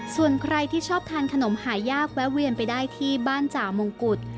ส่วนใครที่ชอบทานขนมหายากแวะเวียนไปได้ที่บ้านจ่ามงกุฎ